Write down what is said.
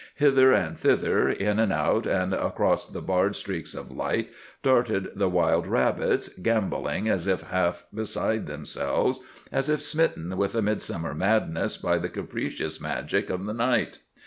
Hither and thither, in and out and across the barred streaks of light, darted the wild rabbits, gambolling as if half beside themselves, as if smitten with a midsummer madness by the capricious magic of the night.